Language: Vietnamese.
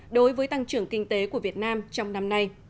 đối với tăng trưởng kinh tế của việt nam trong năm nay